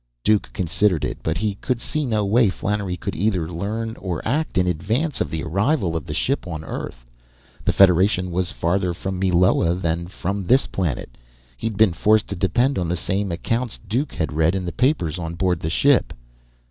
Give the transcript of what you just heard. Duke considered it, but he could see no way Flannery could either learn or act in advance of the arrival of the ship on Earth. The Federation was farther from Meloa than from this planet. He'd been forced to depend on the same accounts Duke had read in the papers on board the ship.